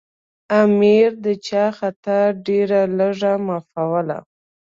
امیر د چا خطا ډېره لږه معافوله.